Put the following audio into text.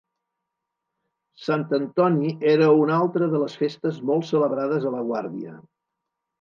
Sant Antoni era una altra de les festes molt celebrades a la Guàrdia.